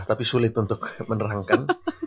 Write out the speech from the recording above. tapi sulit untuk menerangkan